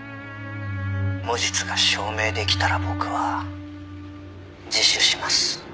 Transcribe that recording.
「無実が証明できたら僕は自首します」